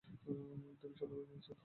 তিনি শতভাগ নিশ্চিত হয়েছিলেন।